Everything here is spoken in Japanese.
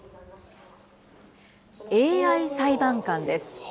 ＡＩ裁判官です。